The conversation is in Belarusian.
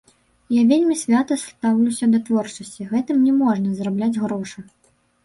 Я вельмі свята стаўлюся да творчасці, гэтым не можна зарабляць грошы.